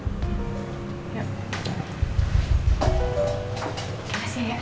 terima kasih ya